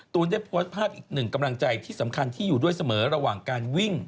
ได้โพสต์ภาพอีกหนึ่งกำลังใจที่สำคัญที่อยู่ด้วยเสมอระหว่างการวิ่ง